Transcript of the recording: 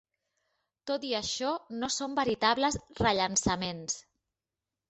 Tot i això no són veritables rellançaments.